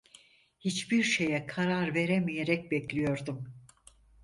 Hiçbir şeye karar veremeyerek bekliyordum.